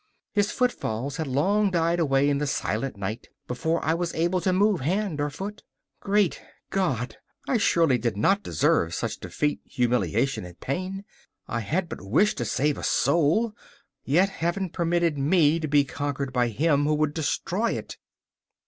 His footfalls had long died away in the silent night before I was able to move hand or foot. Great God! I surely did not deserve such defeat, humiliation and pain. I had but wished to save a soul, yet Heaven permitted me to be conquered by him who would destroy it!